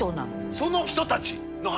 その人たちの話。